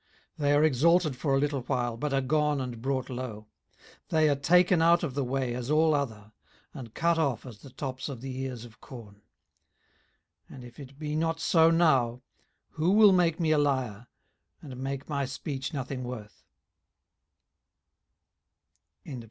18:024:024 They are exalted for a little while, but are gone and brought low; they are taken out of the way as all other, and cut off as the tops of the ears of corn. 18:024:025 And if it be not so now, who will make me a liar, and make my speech nothing worth?